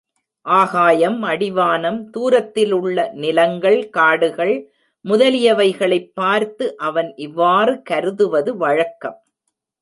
ஆகாயம், அடிவானம், தூரத்திலுள்ள நிலங்கள், காடுகள் முதலியவைகளைப் பார்த்து, அவன் இவ்வாறு கருதுவது வழக்கம்.